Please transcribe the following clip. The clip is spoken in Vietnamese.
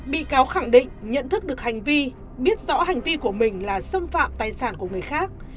bị cáo khẳng định nhận thức được hành vi biết rõ hành vi của mình là xâm phạm tài sản của người khác